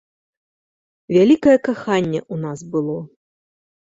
Вялікае каханне ў нас было.